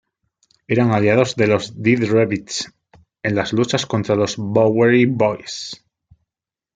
Eran aliados de los Dead Rabbits en las luchas contra los Bowery Boys.